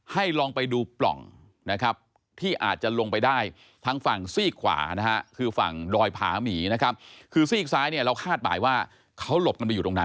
ให้ลองไปดูปล่องนะครับ